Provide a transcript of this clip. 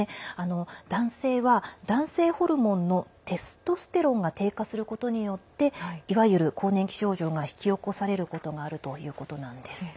男性は、男性ホルモンのテストステロンが低下することによっていわゆる更年期症状が引き起こされることがあるということです。